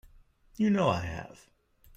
You know I have.